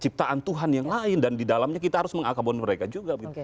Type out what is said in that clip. ciptaan tuhan yang lain dan di dalamnya kita harus mengakaboni mereka juga